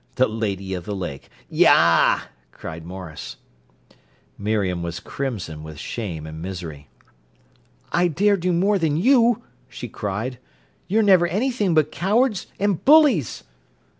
'The Lady of the Lake.' Yah!" cried Maurice. Miriam was crimson with shame and misery. "I dare do more than you," she cried. "You're never anything but cowards and bullies."